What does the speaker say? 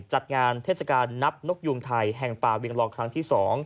จัดงานเทศกาลนับนกยูงไทยแห่งป่าเวียงลอครั้งที่๒